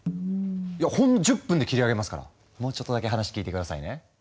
ほんの１０分で切り上げますからもうちょっとだけ話聞いて下さいね。